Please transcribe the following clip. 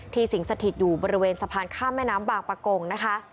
สิงสถิตอยู่บริเวณสะพานข้ามแม่น้ำบางประกงนะคะ